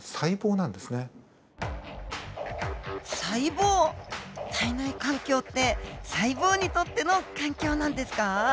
体内環境って細胞にとっての環境なんですか？